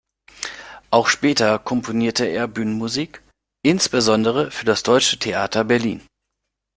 Auch später komponierte er Bühnenmusik, insbesondere für das Deutsche Theater Berlin.